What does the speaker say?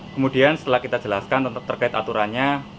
kemudian setelah kita jelaskan terkait aturannya